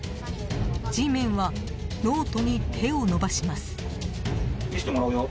Ｇメンはノートに手を伸ばします。